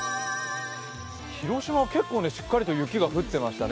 広島は結構しっかりと雪が降ってましたね。